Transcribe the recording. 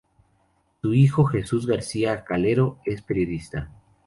Su hijo Jesús García Calero, es periodista.